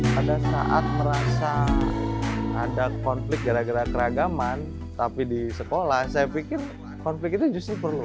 pada saat merasa ada konflik gara gara keragaman tapi di sekolah saya pikir konflik itu justru perlu